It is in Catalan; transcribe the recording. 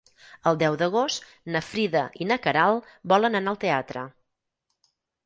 El deu d'agost na Frida i na Queralt volen anar al teatre.